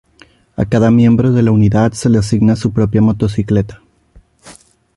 A cada miembro de la unidad se le asigna su propia motocicleta.